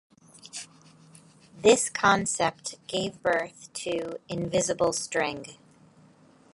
This concept gave birth to "Invisible String".